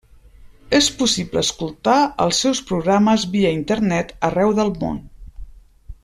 És possible escoltar els seus programes via Internet arreu del món.